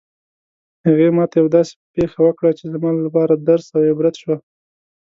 هغې ما ته یوه داسې پېښه وکړه چې زما لپاره درس او عبرت شوه